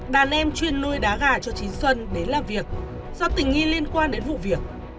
đàn em chuyên nuôi đá gà cho trí xuân đến làm việc do tình nghi liên quan đến vụ việc